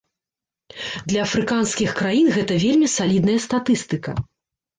Для афрыканскіх краін гэта вельмі салідная статыстыка.